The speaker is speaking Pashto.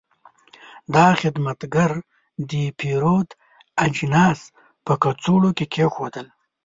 دا خدمتګر د پیرود اجناس په کڅوړو کې کېښودل.